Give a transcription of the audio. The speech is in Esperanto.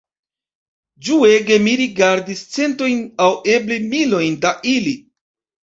Ĝuege mi rigardis centojn aŭ eble milojn da ili.